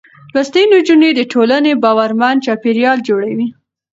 لوستې نجونې د ټولنې باورمن چاپېريال جوړوي.